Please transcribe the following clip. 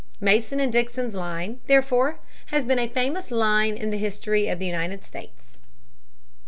Mason and Dixon's line, therefore, has been a famous line in the history of the United States.